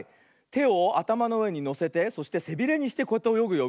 てをあたまのうえにのせてそしてせびれにしてこうやっておよぐよ。